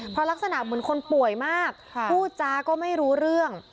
เพราะลักษณะเหมือนคนป่วยมากพูดจาก็ไม่รู้เรื่อง